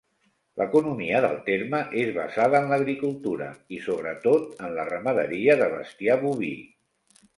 L'economia del terme és basada en l'agricultura i, sobretot, en la ramaderia de bestiar boví.